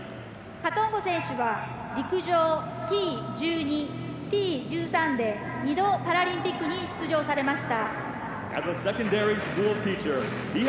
カトンゴ選手は陸上Ｔ１２、Ｔ１３で２度、パラリンピックに出場されました。